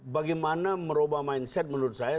bagaimana merubah mindset menurut saya